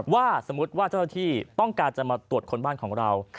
สมมุติว่าเจ้าหน้าที่ต้องการจะมาตรวจคนบ้านของเรา